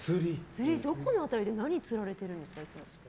釣り、どこの辺りで何釣られてるんですか？